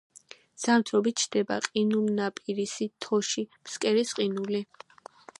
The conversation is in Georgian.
ზამთრობით ჩნდება ყინულნაპირისი, თოში, ფსკერის ყინული.